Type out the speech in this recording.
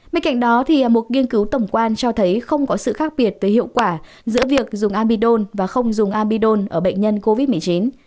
bên cạnh đó một nghiên cứu tổng quan cho thấy không có sự khác biệt về hiệu quả giữa việc dùng amidon và không dùng amidon ở bệnh nhân covid một mươi chín